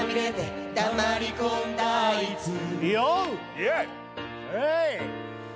イエーイ！